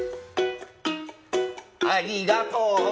ありがとう！